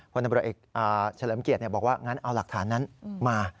ตำรวจเอกเฉลิมเกียรติบอกว่างั้นเอาหลักฐานนั้นมา